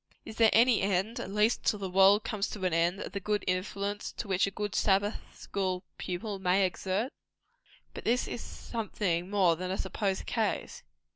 Is there any end, at least till the world comes to an end, of the good influence which a good Sabbath school pupil may thus exert? But this is something more than a supposed case.